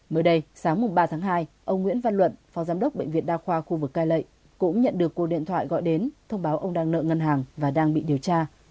mới đây sáng ba tháng hai ông nguyễn văn luận phó giám đốc bệnh viện đa khoa khu vực cai lệ cũng nhận được cuộc điện thoại gọi đến thông báo ông đang nợ ngân hàng và đang bị điều tra